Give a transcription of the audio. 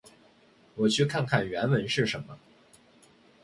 我去看看原文是什么。